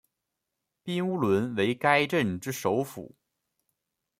彬乌伦为该镇之首府。